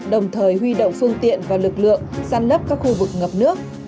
đồng thời huy động phương tiện và lực lượng săn lấp các khu vực ngập nước